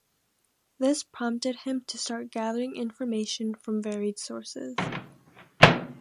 This prompted him to start gathering information from varied sources.